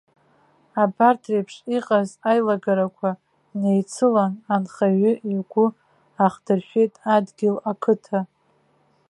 Абарҭ реиԥш иҟаз аилагарақәа неицылан, анхаҩы игәы ахдыршәеит адгьыл, ақыҭа.